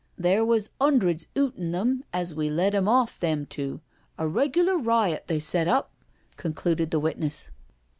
" There was 'undreds 'ootin' them as we led 'em off, them two— a regular riot they set up," concluded the witness.